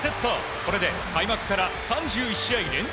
これで開幕から３１試合連続